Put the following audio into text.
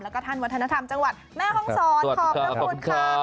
แล้วก็ท่านวัฒนธรรมจังหวัดแม่ห้องศรขอบพระคุณค่ะ